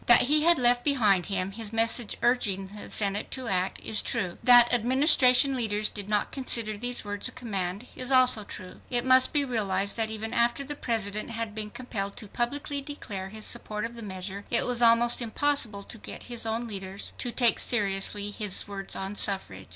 That he had left behind him his message urging the Senate to act, is true. That Administration leaders did not consider these words a command, is also true. It must be realized that even after the President had been compelled to publicly declare his support of the measure, it was almost impossible to get his own leaders to take seriously his words on suffrage.